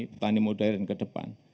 petani modern ke depan